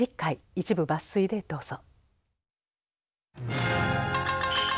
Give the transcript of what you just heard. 一部抜粋でどうぞ。